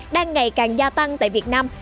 đang ngày càng gia tăng tại việt nam